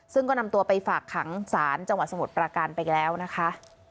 ซึ่งก็นำตัวไปฝากขังศาลจังหวัดสมุทรประการไปแล้วนะคะ